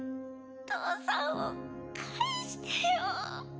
父さんを返してよ。